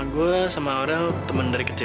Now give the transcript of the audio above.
gue sama orang temen dari kecil